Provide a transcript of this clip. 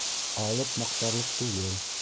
Алып маҡтарлыҡ түгел